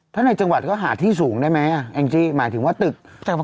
ถ้าในจังหวัดเค้าหาที่สูงได้ไหมไอ้อิงซี่หมายถึงว่าตึก